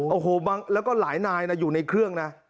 โอ้โหแล้วก็หลายนายนะอยู่ในเครื่องนะ